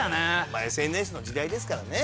まあＳＮＳの時代ですからね。